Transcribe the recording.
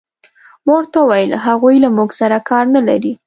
ما ورته وویل: هغوی له موږ سره کار نه لري.